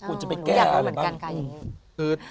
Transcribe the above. ควรจะไปแก้อะไรบ้าง